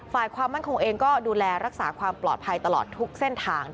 ความมั่นคงเองก็ดูแลรักษาความปลอดภัยตลอดทุกเส้นทาง